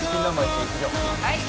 はい！